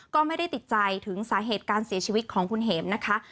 ก็ไม่ได้ติดใจถึงสาเหตุการเสียชีวิตของคุณเห็มนะคะ